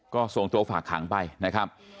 ก็ส่งตัวฝากขังไปนะครับ